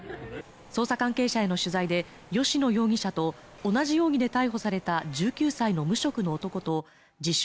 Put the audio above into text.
捜査関係者への取材で吉野容疑者と同じ容疑で逮捕された１９歳の無職の男と自称